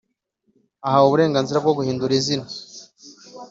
Ahawe uburenganzira bwo guhindura izina